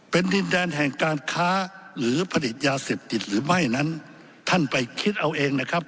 เป็นดินแดนแห่งการค้าหรือผลิตยาเสพติดหรือไม่นั้นท่านไปคิดเอาเองนะครับ